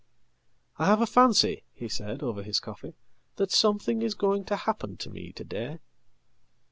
"I have a fancy," he said over his coffee, "that something is going tohappen to me to day."